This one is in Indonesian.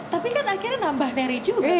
tapi kan akhirnya nambah seri juga kan kan rekam